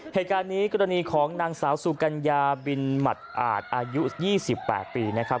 เหตุการณ์นี้กรณีของนางสาวสุกัญญาบินหมัดอาจอายุ๒๘ปีนะครับ